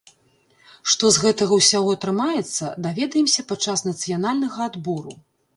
Што з гэтага ўсяго атрымаецца, даведаемся падчас нацыянальнага адбору!